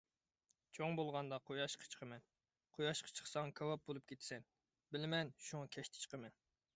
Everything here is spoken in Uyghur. _ چوڭ بولغاندا، قۇياشقا چىقىمەن. _ قۇياشقا چىقساڭ، كاۋاپ بولۇپ كېتىسەن. _ بىلىمەن، شۇڭا كەچتە چىقىمەن.